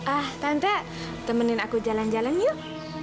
ah tante temenin aku jalan jalan yuk